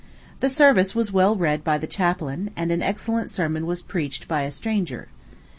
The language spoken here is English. The service was well read by the chaplain, and an excellent sermon was preached by a stranger.